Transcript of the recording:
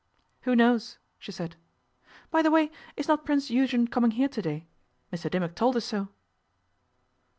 'Who knows?' she said. 'By the way, is not Prince Eugen coming here to day? Mr Dimmock told us so.